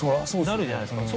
なるじゃないですか。